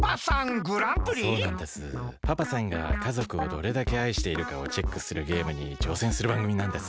パパさんが家族をどれだけ愛しているかをチェックするゲームにちょうせんするばんぐみなんです。